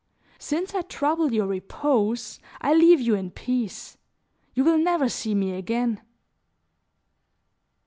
Since I trouble your repose, I leave you in peace; you will never see me again."